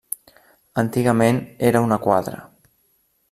Antigament era una quadra.